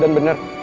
dan gue selalu ada